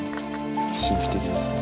神秘的ですね。